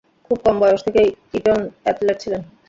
খুব কম বয়স থেকেই ইটন অ্যাথলেট ছিলেন।